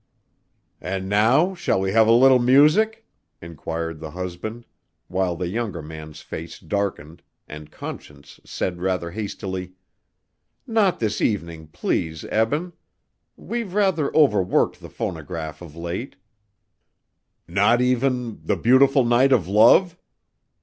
"And now shall we have a little music?" inquired the husband, while the younger man's face darkened, and Conscience said rather hastily: "Not this evening, please, Eben. We've rather overworked the phonograph of late." "Not even 'The Beautiful Night of Love'?"